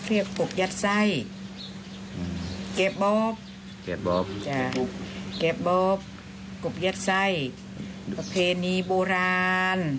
เดี๋ยวเขาโยกกันเล่นไป